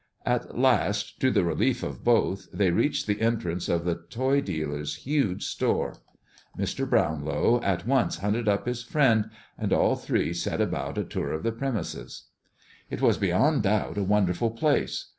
At last, to the relief of both, they reached the entrance of the toy dealer's huge store. Mr. Brownlow at once hunted up his friend, and all three set about a tour of the premises. It was beyond doubt a wonderful place.